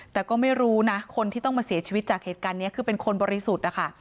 แต่ก็ไม่รู้นะคนที่ต้องมาเสียชีวิตจากเหตุการณ์นี้คือเป็นคนบริสุทธิ์นะคะ